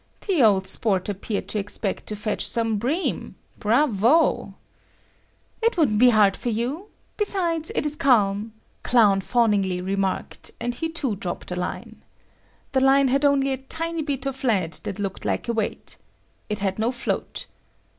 The old sport appeared to expect to fetch some bream. Bravo! "It wouldn't be hard for you. Besides it is calm," Clown fawningly remarked, and he too dropped a line. The line had only a tiny bit of lead that looked like a weight. It had no float.